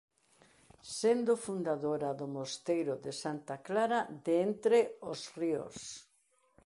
Sendo fundadora do mosteiro de Santa Clara de Entre os Ríos